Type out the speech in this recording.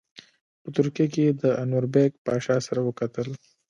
په ترکیه کې یې د انوربیګ پاشا سره وکتل.